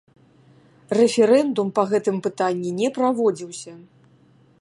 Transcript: Рэферэндум па гэтым пытанні не праводзіўся.